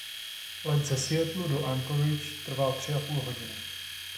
Let ze Seattlu do Anchorage trvá tři a půl hodiny.